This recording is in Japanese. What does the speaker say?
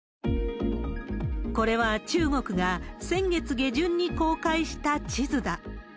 これは、中国が先月下旬に公開した地図だ。